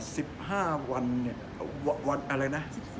สิบห้าวันวันอะไรนะ